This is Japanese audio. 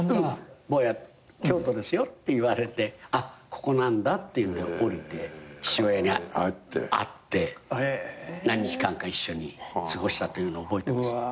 「坊や京都ですよ」って言われてここなんだっていうんで降りて父親に会って何日間か一緒に過ごしたというのを覚えてます。